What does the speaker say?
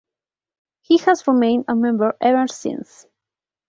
He has remained a member ever since.